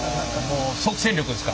即戦力ですか？